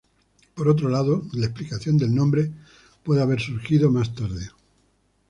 Por otro lado, la explicación del nombre puede haber surgido más tarde.